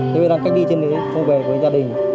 thế nên đang cách đi trên đấy không về với gia đình